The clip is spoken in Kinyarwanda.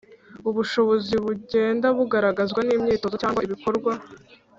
Ubu bushobozi bugenda bugaragazwa n’imyitozo cyangwa ibikorwa